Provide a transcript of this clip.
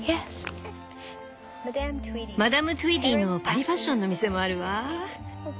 マダム・トゥイーディーのパリファッションの店もあるわ。